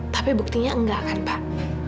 tapi buktinya enggak kan pak